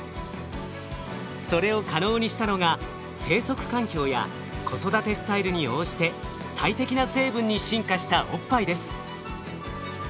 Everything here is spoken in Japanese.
それを可能にしたのが生息環境や子育てスタイルに応じて最適な成分に進化したおっぱいです。